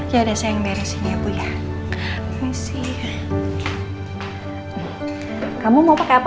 yaudah saya yang beresin ya bu ya